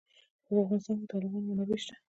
په افغانستان کې د تالابونه منابع شته.